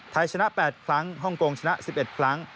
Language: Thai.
ไทยชนะ๘ครั้งฮ่องกงชนะ๑๑ครั้ง